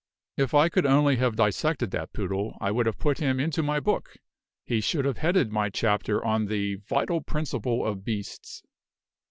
If I could only have dissected that poodle, I would have put him into my book; he should have headed my chapter on the Vital Principle of Beasts."